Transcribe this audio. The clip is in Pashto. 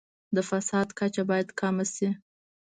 د فساد کچه باید کمه شي.